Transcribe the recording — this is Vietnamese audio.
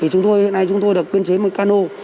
hôm nay chúng tôi được quyên chế một cano